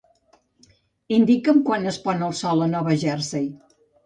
Indica'm quan es pon el sol a Nova Jersey.